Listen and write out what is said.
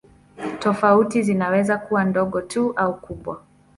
Tofauti zinaweza kuwa ndogo tu au kubwa.